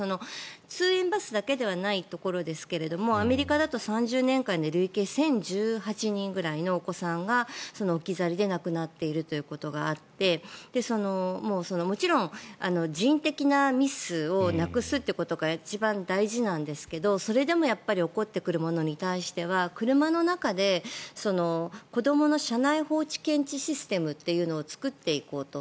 通園バスだけではないところですけれどアメリカだと３０年間で累計１０１８人ぐらいのお子さんが置き去りで亡くなっているということがあってもちろん人的なミスをなくすってことが一番大事なんですけどそれでも起こってくるものに対しては車の中で、子どもの車内放置検知システムというのを作っていこうと。